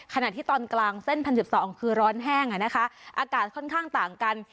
ขนาดที่ตอนกลางเส้น๑๐๑๒คือร้อนแห้งนะคะอากาศค่อนข้างต่างกัน